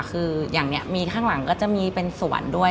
คืออย่างนี้มีข้างหลังก็จะมีเป็นสวนด้วย